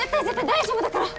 大丈夫だから！